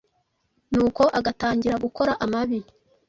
nuko agatangira gukora amabi.